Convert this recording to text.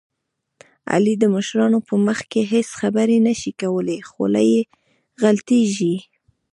علي د مشرانو په مخ کې هېڅ خبرې نه شي کولی، خوله یې غلطېږي.